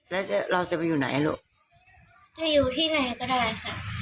แล้วเราจะไปอยู่ไหนลูกถ้าอยู่ที่ไหนก็ได้ค่ะ